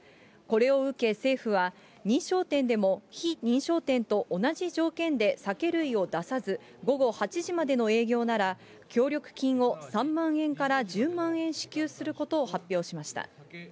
これを受け政府は、認証店でも非認証店と同じ条件で酒類を出さず、午後８時までの営業なら、協力金を３万円から１０万円支給することを発表しました。